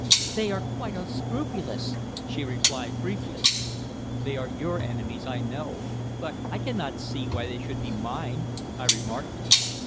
"They are quite unscrupulous," she replied briefly. "They are your enemies, I know. But I cannot see why they should be mine," I remarked.